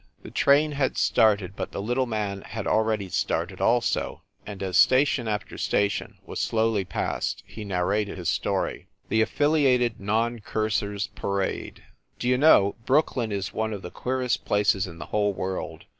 The train had started, but the little man had al ready started also, and, as station after station was slowly passed, he narrated his story. 192 FIND THE WOMAN THE AFFILIATED NON CURSERS PARADE D you know, Brooklyn is one of the queerest places in the whole world!